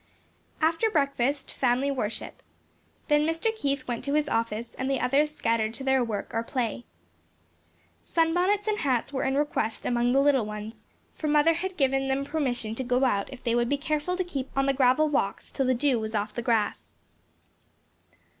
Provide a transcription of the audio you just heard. After breakfast, family worship. Then Mr. Keith went to his office and the others scattered to their work or play. Sunbonnets and hats were in request among the little ones; for mother had given permission to go out if they would be careful to keep on the gravel walks till the dew was off the grass.